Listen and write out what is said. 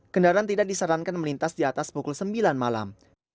kendaraan tidak disarankan melintas di atas pukul sembilan malam